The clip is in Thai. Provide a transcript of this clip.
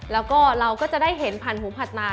แล้วก็เราก็จะได้เห็นผ่านหูผัดมา